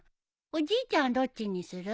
おじいちゃんどっちにする？